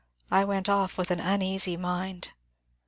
I went off with an uneasy mind.